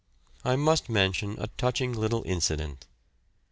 I must mention a touching little incident.